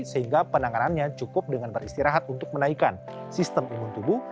sehingga penanganannya cukup dengan beristirahat untuk menaikkan sistem imun tubuh